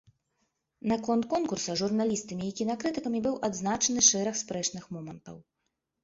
На конт конкурса журналістамі і кінакрытыкамі быў адзначаны шэраг спрэчных момантаў.